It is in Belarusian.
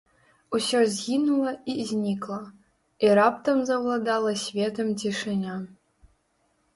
Усё згінула і знікла, і раптам заўладала светам цішыня.